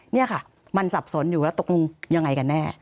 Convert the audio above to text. นี่ค่ะมันสับสนอยู่แล้วตกลงยังไงกันแน่